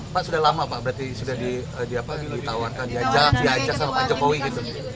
pak sudah lama pak berarti sudah ditawarkan diajak diajak sama pak jokowi gitu